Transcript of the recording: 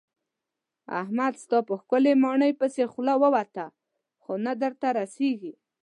احمد ستا په ښکلې ماڼۍ پسې خوله ووته خو نه درته رسېږي.